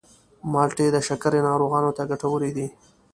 مالټې د شکرې ناروغانو ته ګټورې دي.